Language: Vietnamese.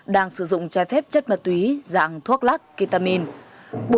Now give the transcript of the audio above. đang sử dụng chai phép chất ma túy dạng thuốc lắc ketamine